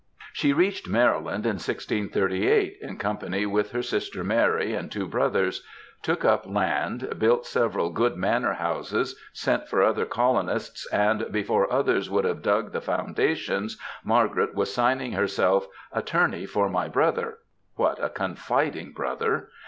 She reached Maryland in 1638, in company with her sister Mary and two brothers, took up land, built several good manor houses, sent for other colonists, and before others would have dug the foundations, Margaret was signing herself, "Attorney for my brother'^ (what a con fiding brother!)